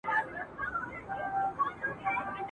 اوس دېوالونه هم غوږونه لري ..